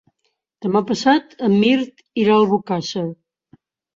Demà passat en Mirt irà a Albocàsser.